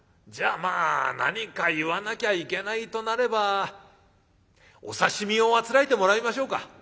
じゃあまあ何か言わなきゃいけないとなればお刺身をあつらえてもらいましょうか」。